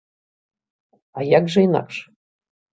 А як жа інакш.